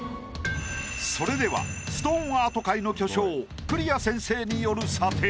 それではストーンアート界の巨匠栗屋先生による査定。